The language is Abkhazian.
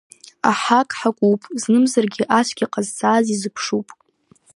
Аҳақ ҳақуп, знымзарзны ацәгьа ҟазҵаз изыԥшуп.